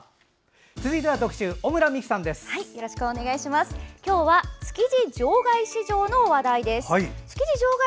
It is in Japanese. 続いては特集、小村美記さんです。